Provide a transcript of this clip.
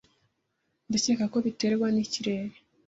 Ndakeka ko biterwa nikirere.